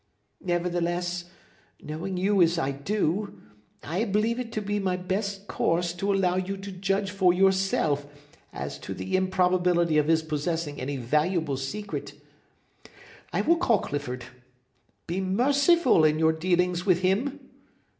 Nevertheless, knowing you as I do, I believe it to be my best course to allow you to judge for yourself as to the improbability of his possessing any valuable secret. I will call Clifford. Be merciful in your dealings with him!